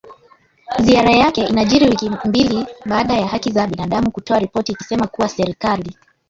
Ziara yake inajiri wiki mbili baada ya haki za binadamu kutoa ripoti ikisema kuwa serikali